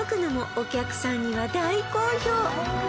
お客さんには大好評！